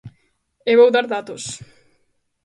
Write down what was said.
E vou dar datos.